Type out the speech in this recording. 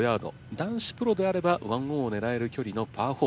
男子プロであれば１オンを狙える距離のパー４。